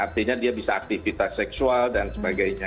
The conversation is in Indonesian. artinya dia bisa aktivitas seksual dan sebagainya